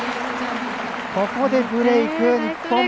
ここでブレーク、日本。